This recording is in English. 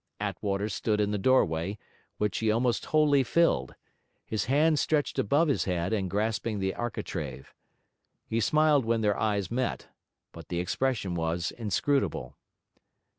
Attwater stood in the doorway, which he almost wholly filled; his hands stretched above his head and grasping the architrave. He smiled when their eyes Met, but the expression was inscrutable.